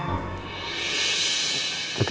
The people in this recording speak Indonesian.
saat brendon bayi